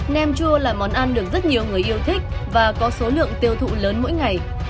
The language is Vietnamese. nem chua là món ăn được rất nhiều người yêu thích và có số lượng tiêu thụ lớn mỗi ngày